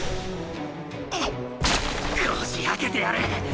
こじ開けてやる！